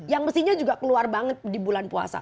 yang mestinya juga keluar banget di bulan puasa